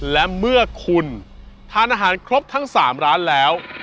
และเมื่อคุณทานอาหารครบทั้ง๓ร้านแล้ว